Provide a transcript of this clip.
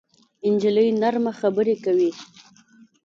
نجلۍ نرمه خبرې کوي.